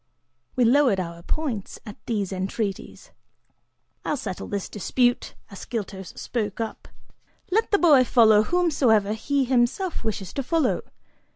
We lowered our points at these entreaties. "I'll settle this dispute," Ascyltos spoke up, "let the boy follow whomsoever he himself wishes to follow.